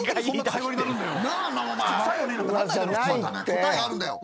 答えがあるんだよ。